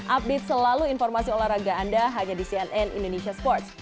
update selalu informasi olahraga anda hanya di cnn indonesia sports